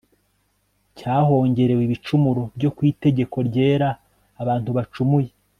cyahongerewe ibicumuro byo kwitegeko ryera abantu bacumuye